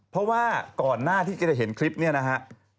เพราะว่าก่อนหน้าที่จะเห็นคลิปนี้นะฮะ